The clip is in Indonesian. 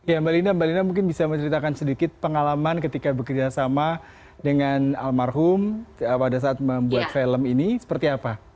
ya mbak linda mbak lina mungkin bisa menceritakan sedikit pengalaman ketika bekerja sama dengan almarhum pada saat membuat film ini seperti apa